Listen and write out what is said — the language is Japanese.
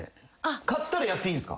買ったらやっていいんすか？